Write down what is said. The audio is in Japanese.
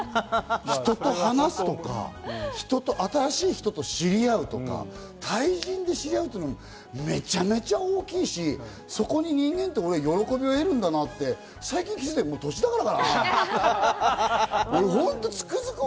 人と話すとか、新しい人とかと知り合うとか、対人で知り合うっていうのは、めちゃめちゃ大きいし、そこに人間って喜びを得るんだなと最近気づいたから。